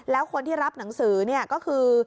แล้วคนที่รับหนังสือก็คือ